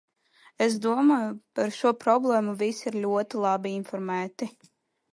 Es domāju, par šo problēmu visi ir ļoti labi informēti.